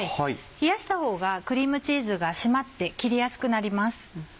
冷やしたほうがクリームチーズが締まって切りやすくなります。